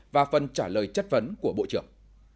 và phần trả lời chất vấn của bộ trưởng